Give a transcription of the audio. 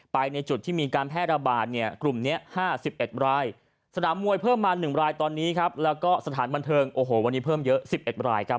ไปจุดที่มีการแพทย์ระบาด